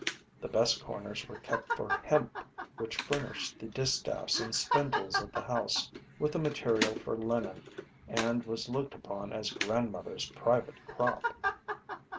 The best corners were kept for hemp, which furnished the distaffs and spindles of the house with the material for linen and was looked upon as grandmother's private crop.